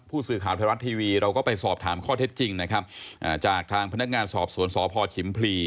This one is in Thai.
ผู้สื่อข่าวไทยรัฐทีวีเราก็ไปสอบถามข้อเท็จจริงนะครับจากทางพนักงานสอบสวนสพชิมพลี